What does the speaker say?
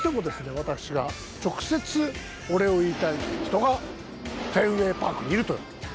私が直接お礼を言いたい人がフェンウェイパークにいると。